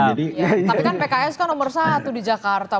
tapi kan pks kan nomor satu di jakarta